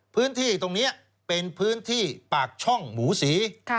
พื้นที่ตรงนี้เป็นพื้นที่ปากช่องหมูศรี